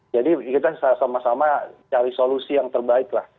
jadi kita sama sama cari solusi yang terbaik